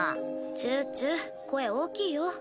チュチュ声大きいよ。